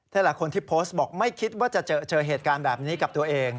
หลายคนที่โพสต์บอกไม่คิดว่าจะเจอเหตุการณ์แบบนี้กับตัวเอง